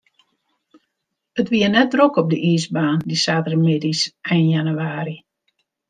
It wie net drok op de iisbaan, dy saterdeitemiddeis ein jannewaarje.